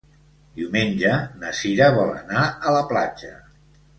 Diumenge na Cira vol anar a la platja.